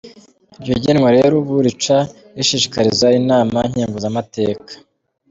Iryo genwa rero ubu rica rishikirizwa inama nkenguzamateka.